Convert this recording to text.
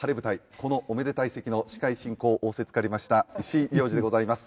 このおめでたい席の司会進行を仰せつかりました石井亮次でございます。